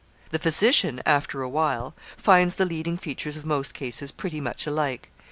The physician, after a while, finds the leading features of most cases pretty much alike.